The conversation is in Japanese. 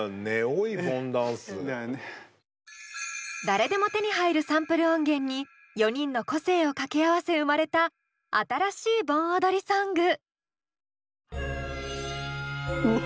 誰でも手に入るサンプル音源に４人の個性を掛け合わせ生まれた新しい盆踊りソング。